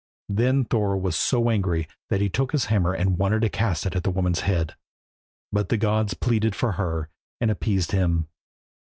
Then Thor was so angry that he took his hammer and wanted to cast it at the woman's head, but the gods pleaded for her and appeased him.